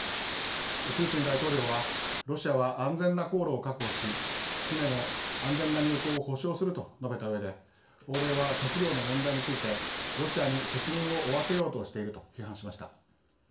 プーチン大統領は「ロシアは安全な航路を確保し船の安全な入港を保証する」と述べたうえで「欧米は食糧の問題についてロシアに責任を負わせようとしている」と批判しました。